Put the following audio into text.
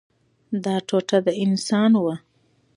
دا ټوټه د انسان وه.